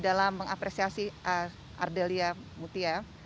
dalam mengapresiasi ardelia mutia